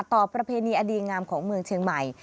ประเพณีอดีงามของเมืองเชียงใหม่